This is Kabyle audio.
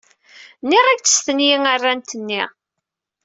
Nniɣ-ak-d stenyi arrat-nni.